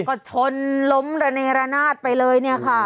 ก็ชนล้มระเนรนาศไปเลยเนี่ยค่ะ